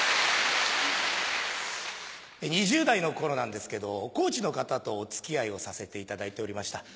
２０代の頃なんですけど高知の方とお付き合いをさせていただいておりました。